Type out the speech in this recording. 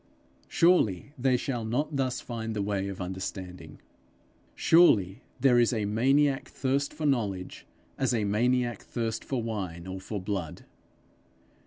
Surely they shall not thus find the way of understanding! Surely there is a maniac thirst for knowledge, as a maniac thirst for wine or for blood!